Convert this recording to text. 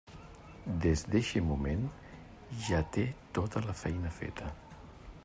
Des d'eixe moment, ja té tota la feina feta.